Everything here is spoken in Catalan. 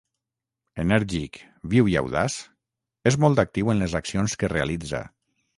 Enèrgic, viu i audaç, és molt actiu en les accions que realitza.